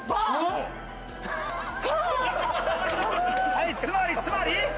はいつまりつまり？